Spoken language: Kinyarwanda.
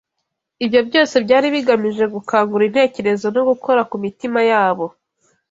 ibyo byose byari bigamije gukangura intekerezo no gukora ku mitima yabo.